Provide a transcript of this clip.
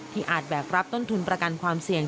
อาจแบกรับต้นทุนประกันความเสี่ยง